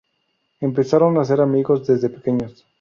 Empezaron a ser amigos desde pequeños.